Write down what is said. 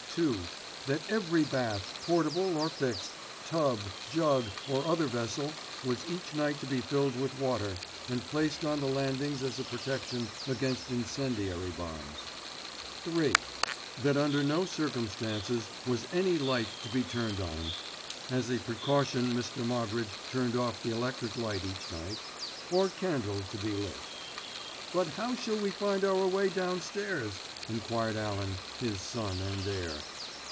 (2) That every bath, portable or fixed, tub, jug, or other vessel was each night to be filled with water, and placed on the landings as a protection against incendiary bombs. (3) That under no circumstances was any light to be turned on (as a precaution Mr. Moggridge turned off the electric light each night) or candle to be lit. "But how shall we find our way downstairs?" enquired Allan, his son and heir.